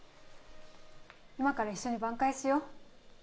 今から一緒に挽回しよう